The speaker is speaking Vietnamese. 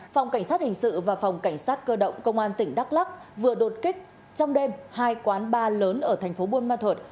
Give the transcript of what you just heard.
phòng cảnh sát hình sự và phòng cảnh sát cơ động công an tỉnh đắk lắc vừa đột kích trong đêm hai quán bar lớn ở thành phố buôn ma thuật